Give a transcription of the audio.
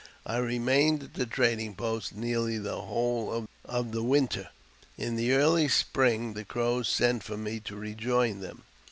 I re mained at the trading post nearly the whole of the winter. In the early spring the Crows sent for me to rejoin them.